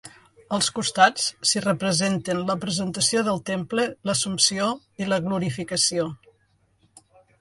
Als costats, s’hi representen la presentació del temple, l’assumpció i la glorificació.